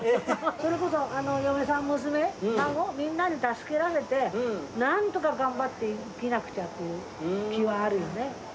それこそ、嫁さん、娘、孫、みんなに助けられて、なんとか頑張って生きなくちゃっていう気はあるよね。